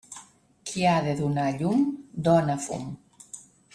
Qui ha de donar llum, dóna fum.